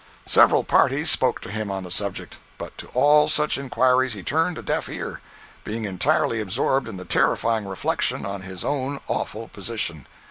Several parties spoke to him on the subject; but to all such inquiries he turned a deaf ear, being entirely absorbed in the terrifying reflections on his own awful position.